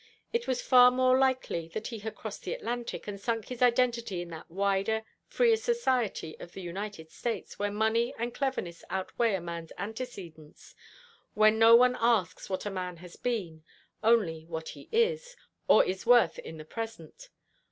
It was far more likely that he had crossed the Atlantic, and sunk his identity in that wider, freer society of the United States, where money and cleverness outweigh a man's antecedents, where no one asks what a man has been, only what he is, or is worth in the present.